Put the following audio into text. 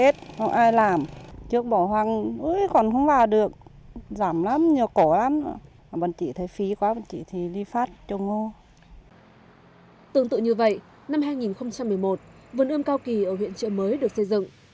tương tự như vậy năm hai nghìn một mươi một vườn ươm cao kỳ ở huyện trợ mới được xây dựng